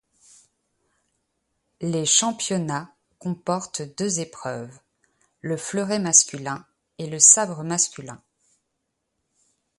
Les championnats comportent deux épreuves, le fleuret masculin et le sabre masculin.